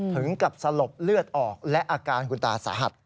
ถึงกับสลบเลือดออกและอาการคุณตาสาหัส